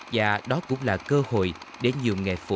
và đó cũng là cơ hội để nhiều nghệ phụ